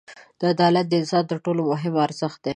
• عدالت د انسان تر ټولو مهم ارزښت دی.